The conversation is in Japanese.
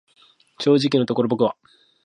正直のところ僕は、